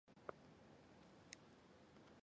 最大的激酶族群是蛋白激酶。